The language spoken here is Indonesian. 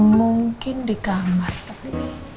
mungkin di kamar tapi